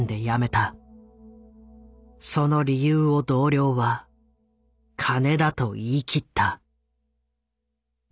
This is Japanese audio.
その理由を同僚は「金」だと言い切った。